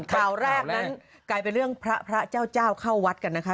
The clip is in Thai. ข่าวแรกนั้นกลายเป็นเรื่องพระพระเจ้าเจ้าเข้าวัดกันนะคะ